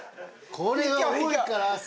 これは多いから亜生。